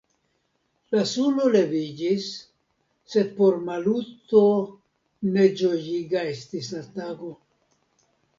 La suno leviĝis, sed por Maluto ne ĝojiga estis la tago.